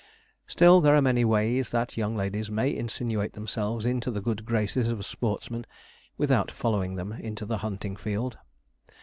Still, there are many ways that young ladies may insinuate themselves into the good graces of sportsmen without following them into the hunting field.